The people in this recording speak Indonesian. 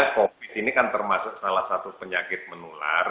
covid ini kan termasuk salah satu penyakit menular